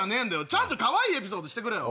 かわいいエピソードしてくれよ。